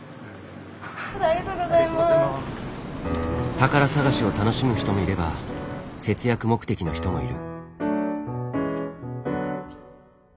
宝探しを楽しむ人もいれば節約目的の人もいる。